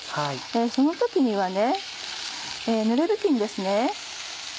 その時にはぬれ布巾ですね。